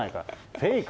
フェイク！